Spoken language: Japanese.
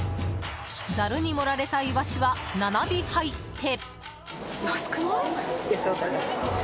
ざるに盛られたイワシは７尾入って。